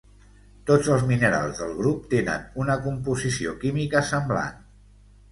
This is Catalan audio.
Tots els minerals del grup tenen una composició química semblant.